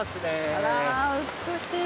あら美しい。